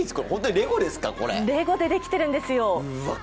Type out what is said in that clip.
レゴでできてるんですよ。